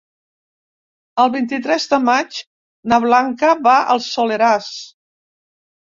El vint-i-tres de maig na Blanca va al Soleràs.